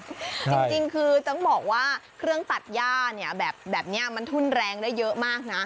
จริงคือต้องบอกว่าเครื่องตัดย่าเนี่ยแบบนี้มันทุ่นแรงได้เยอะมากนะ